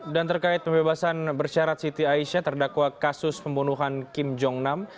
dan terkait pembebasan bersyarat siti aisyah terdakwa kasus pembunuhan kim jong nam